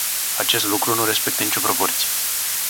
Acest lucru nu respectă nicio proporție.